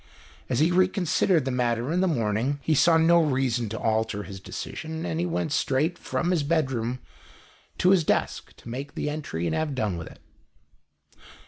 "As he reconsidered the matter in the morning, he saw 80 THE EASTERN WINDOW. no reason to alter his decision, and he went straight from his bedroom to his desk to make the entry and have done with it.